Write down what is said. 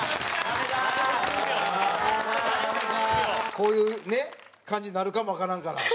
こういうね感じになるかもわからんから。